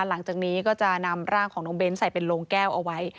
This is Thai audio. หลังจากนี้ก็จะนำร่างของน้องเบ้นใส่เป็นโรงแก้วเอาไว้